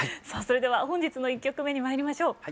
さあそれでは本日の１曲目にまいりましょう。